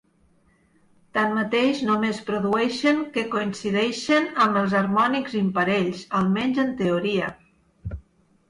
Tanmateix, només produeixen que coincideixen amb els harmònics imparells, almenys en teoria.